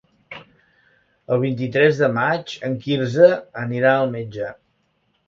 El vint-i-tres de maig en Quirze anirà al metge.